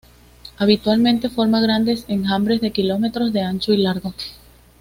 Habitualmente forma grandes enjambres de kilómetros de ancho y largo.